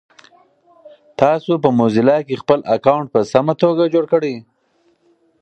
تاسو په موزیلا کې خپل اکاونټ په سمه توګه جوړ کړی؟